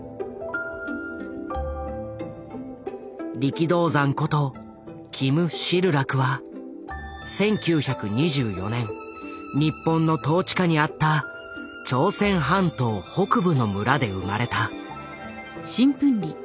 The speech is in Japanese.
力道山ことキム・シルラクは１９２４年日本の統治下にあった朝鮮半島北部の村で生まれた。